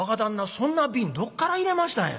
そんな瓶どっから入れましたんや？」。